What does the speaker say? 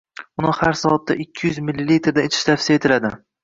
Uni har soatda ikki yuz mldan ichish tavsiya etiladi.